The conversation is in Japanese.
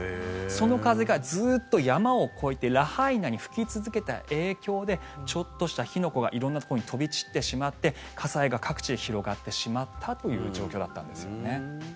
その風がずっと山を越えてラハイナに吹き続けた影響でちょっとした火の粉が色んなところに飛び散ってしまって火災が各地へ広がってしまったという状況だったんですよね。